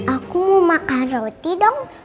aku makan roti dong